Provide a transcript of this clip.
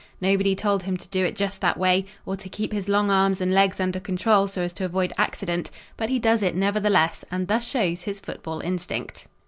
Nobody told him to do it just that way, or to keep his long arms and legs under control so as to avoid accident, but he does it nevertheless and thus shows his football instinct.